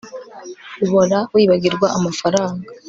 uhora wibagirwa amafaranga